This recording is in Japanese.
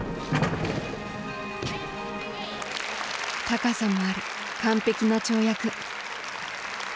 高さもある完璧な跳躍。